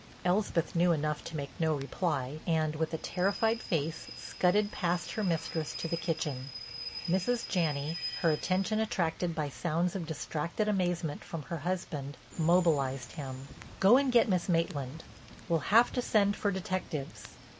Elspeth knew enough to make no reply, and, with a terrified face, scudded past her mistress to the kitchen. Mrs. Janney, her attention attracted by sounds of distracted amazement from her husband, mobilized him: "Go and get Miss Maitland. We'll have to send for detectives.